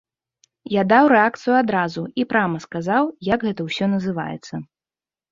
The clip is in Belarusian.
Я даў рэакцыю адразу і прама сказаў, як гэта ўсё называецца.